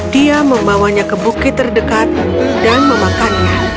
dia membawanya ke bukit terdekat dan memakannya